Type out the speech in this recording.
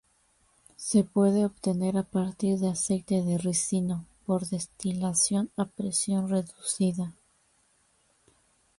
Se puede obtener a partir de aceite de ricino por destilación a presión reducida.